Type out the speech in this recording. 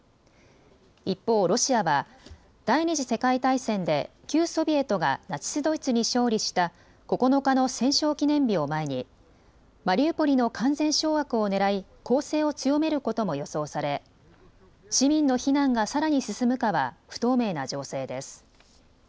一方、ロシアは第２次世界大戦で旧ソビエトがナチス・ドイツに勝利した９日の戦勝記念日を前にマリウポリの完全掌握をねらい攻勢を強めることも予想され市民の避難がさらに進むかは不透明な情勢です。